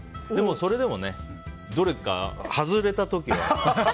それでもどれか外れた時は。